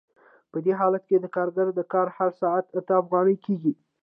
په دې حالت کې د کارګر د کار هر ساعت اته افغانۍ کېږي